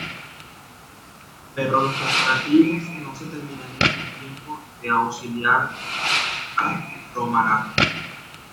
Pero los preparativos no se terminarían a tiempo de auxiliar a Romarate.